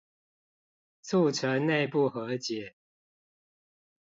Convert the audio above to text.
促成內部和解